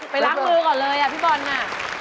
ล้างมือก่อนเลยอ่ะพี่บอลน่ะ